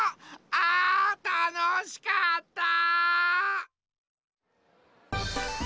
あたのしかった！